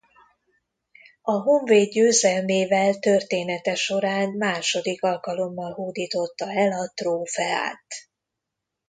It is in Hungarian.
A Honvéd győzelmével története során második alkalommal hódította el a trófeát.